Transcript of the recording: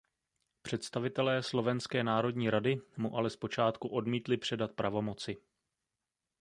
Představitelé Slovenské národní rady mu ale zpočátku odmítli předat pravomoci.